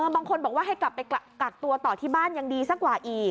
บางคนบอกว่าให้กลับไปกักตัวต่อที่บ้านยังดีสักกว่าอีก